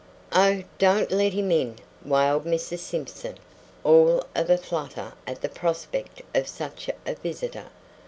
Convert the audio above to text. "Oh! Don't let him in!" wailed Mrs. Simpson, all of a flutter at the prospect of such a visitor.